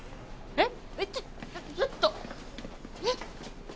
えっ？